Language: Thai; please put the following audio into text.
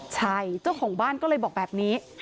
ใช่เจ้าของบ้านก็เลยบอกแบบนี้